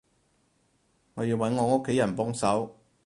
我要揾我屋企人幫手